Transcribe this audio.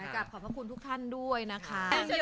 ขอบคุณทุกท่านด้วยนะคะ